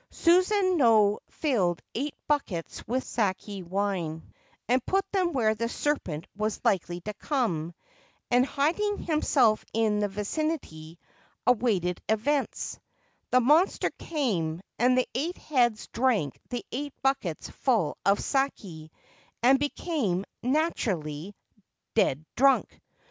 Susanoo filled eight buckets with sake wine, and put them where the serpent Was likely to come, and, hiding himself in the vicinity, awaited events. The monster came, and the eight heads drank the eight buckets full of sake, and became, naturally, 57 8 Ancient Tales and Folklore of Japan dead drunk.